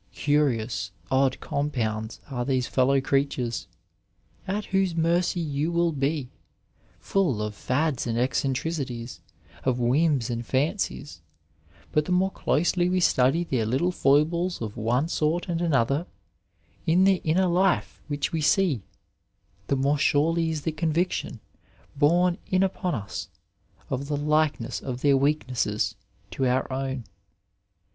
Curious, odd compounds are these fellow creatures, at whose mercy you will be j full of fads and eccentricities, 6 Digitized by VjOOQiC ABQUANIMITA8 of whims and bncies ; but the more doiely we study their little foibles of one sort and another in the inner life which we see, the more surely is the conviction borne in upon ns of the likeness of their weaknesses to our own.